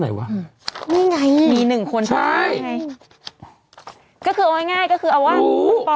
ไหนวะอืมนี่ไงมีหนึ่งคนใช่ก็คือเอาง่ายก็คือเอาว่าพี่ปอล